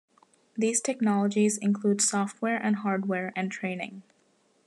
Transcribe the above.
These technologies include software and hardware, and training.